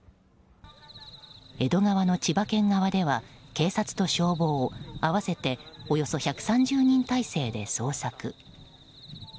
江戸川の千葉県側では警察と消防合わせておよそ１３０人態勢で捜索。